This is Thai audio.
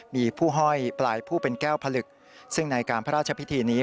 มีผู้ห้อยปลายผู้เป็นแก้วผลึกซึ่งในการพระราชพิธีนี้